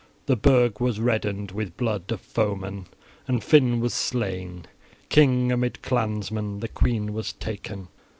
The burg was reddened with blood of foemen, and Finn was slain, king amid clansmen; the queen was taken.